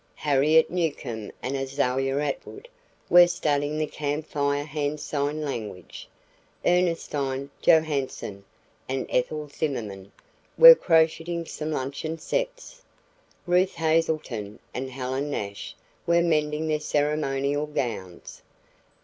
Harriet Newcomb and Azalia Atwood were studying the Camp Fire hand sign language. Ernestine Johanson and Ethel Zimmerman were crocheting some luncheon sets. Ruth Hazelton and Helen Nash were mending their ceremonial gowns.